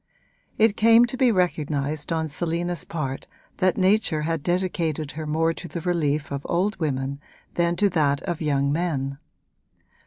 It came to be recognised on Selina's part that nature had dedicated her more to the relief of old women than to that of young men.